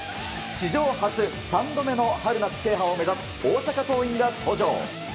史上初、３度目の春夏制覇を目指す、大阪桐蔭が登場。